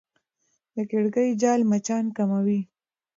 د کړکۍ جال مچان کموي.